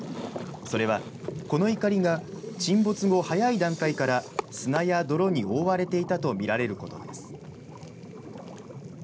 それは、このいかりが沈没後、早い段階から砂や泥に覆われていたと見られることです。